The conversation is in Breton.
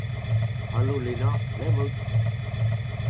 Alo Lena ! Pelec’h emaout ?